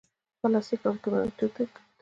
پلاستیک او کیمیاوي توکي تولیدوي.